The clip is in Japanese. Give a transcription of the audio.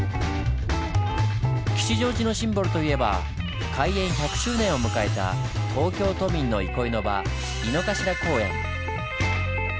吉祥寺のシンボルといえば開園１００周年を迎えた東京都民の憩いの場井の頭公園。